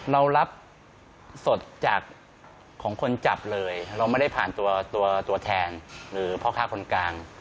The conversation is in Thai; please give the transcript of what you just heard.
เรารับสดจากของคนจับเลยเราไม่ได้ผ่านตัวตัวแทนหรือพ่อค้าคนกลาง